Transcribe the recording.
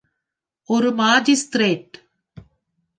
ஒரு மாஜிஸ்திரேட்.